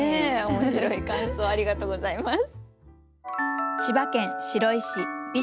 面白い感想ありがとうございます。